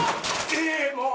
えっもう！